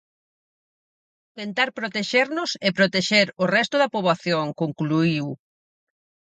"Tentar protexernos e protexer o resto da poboación", concluíu.